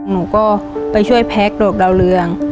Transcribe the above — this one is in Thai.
หนูก็ไปช่วยแพ็คดอกดาวเรือง